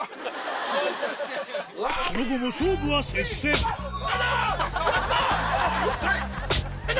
その後も勝負は接戦やった！